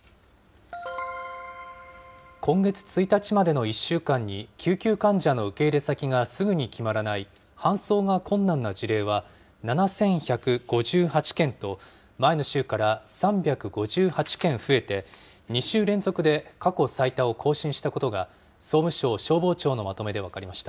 今月１日までの１週間に、救急患者の受け入れ先がすぐに決まらない搬送が困難な事例は、７１５８件と、前の週から３５８件増えて、２週連続で過去最多を更新したことが、総務省消防庁のまとめで分かりました。